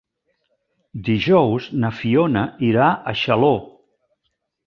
Dijous na Fiona irà a Xaló.